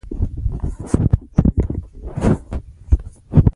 د هرات په شینډنډ کې د اوسپنې نښې شته.